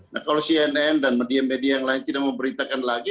nah kalau cnn dan media media yang lain tidak memberitakan lagi